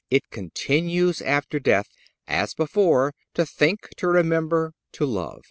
It continues after death, as before, to think, to remember, to love.